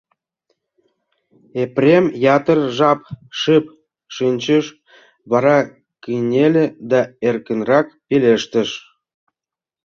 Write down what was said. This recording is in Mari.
Епрем ятыр жап шып шинчыш, вара кынеле да эркынрак пелештыш: